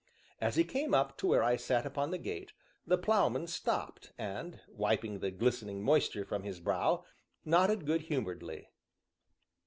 As he came up to where I sat upon the gate, the Ploughman stopped, and, wiping the glistening moisture from his brow, nodded good humoredly.